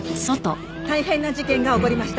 「大変な事件が起こりました」